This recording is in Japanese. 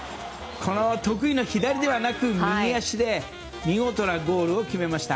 得意な左ではなく右足で見事なゴールを決めました。